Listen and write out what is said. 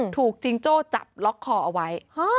จริงโจ้จับล็อกคอเอาไว้